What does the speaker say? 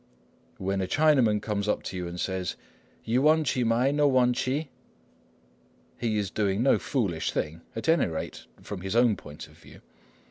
When a Chinaman comes up to you and says, "You wantchee my, no wantchee," he is doing no foolish thing, at any rate from his own point of view.